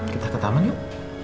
kita ke taman yuk